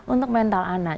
untuk mental anak